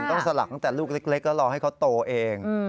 สลักตั้งแต่ลูกเล็กแล้วรอให้เขาโตเอง